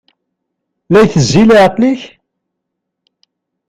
La itezzi leɛqel-ik?